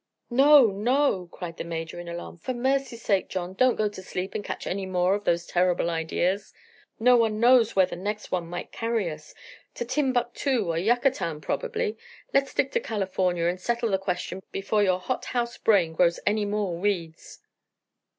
"No, no!" cried the Major, in alarm. "For mercy's sake, John, don't go to sleep and catch any more of those terrible ideas. No one knows where the next one might carry us to Timbuktu or Yucatan, probably. Let's stick to California and settle the question before your hothouse brain grows any more weeds."